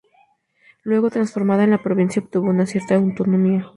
Luego, transformada en la provincia, obtuvo una cierta autonomía.